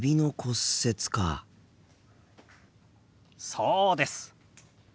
そうです。